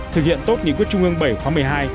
thực hiện tốt nghị quyết trung ương bảy khóa một mươi hai